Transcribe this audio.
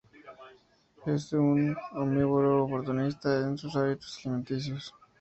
Es un omnívoro-oportunista en sus hábitos alimenticios.